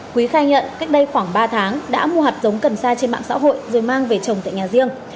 quý khai nhận cách đây khoảng ba tháng đã mua hạt giống cần sa trên mạng xã hội rồi mang về trồng tại nhà riêng